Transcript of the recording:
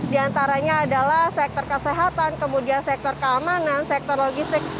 di antaranya adalah sektor kesehatan kemudian sektor keamanan sektor logistik